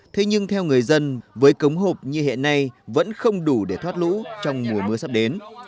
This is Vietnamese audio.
thế nhưng theo người dân với cống hộp như hiện nay vẫn không đủ để thoát lũ trong mùa mưa sắp đến